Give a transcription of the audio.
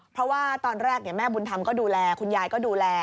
เพราะว่าตอนแรกแม่บุญธรรมก็ดูแลคุณยายก็ดูแล